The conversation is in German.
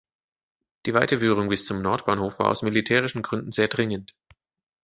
Die Weiterführung bis zum Nordbahnhof war aus militärischen Gründen sehr dringend.